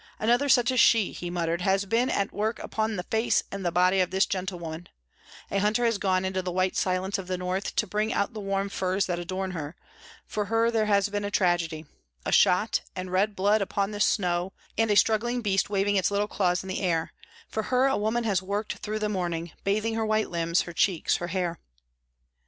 "Another such as she," he muttered, "has been at work upon the face and body of this gentlewoman; a hunter has gone into the white silence of the north to bring out the warm furs that adorn her; for her there has been a tragedy a shot, and red blood upon the snow, and a struggling beast waving its little claws in the air; for her a woman has worked through the morning, bathing her white limbs, her cheeks, her hair."